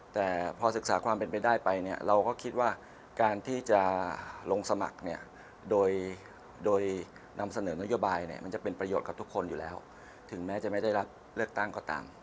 แต่พอศึกษาความเป็นไปได้ไปเนี่ยเราก็คิดว่าการที่จะลงสมัครเนี่ยโดยนำเสนอนโยบายเนี่ยมันจะเป็นประโยชน์กับทุกคนอยู่แล้วถึงแม้จะไม่ได้รับเลือกตั้งก็ตาม